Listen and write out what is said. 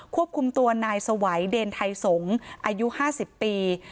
ควบคุมตัวนายสวัยเดนไทยสงศ์อายุ๕๐ปี